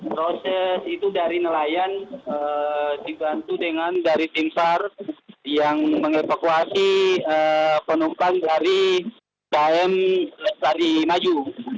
proses itu dari nelayan dibantu dengan dari tim sar yang mengevakuasi penumpang dari km lestari maju